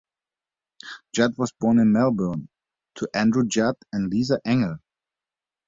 Judd was born in Melbourne to Andrew Judd and Lisa Engel.